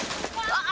あっ！！